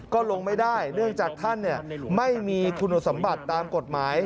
ก็ลงไม่ได้เนื่องจากท่านไม่มีคุณสมบัติตามกฎหมาย